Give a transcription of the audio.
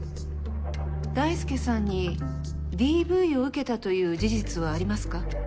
大輔さんにＤＶを受けたという事実はありますか？